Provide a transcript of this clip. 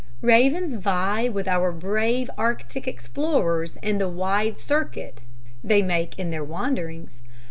Ravens vie with our brave Arctic explorers in the wide circuit they make in their wanderings.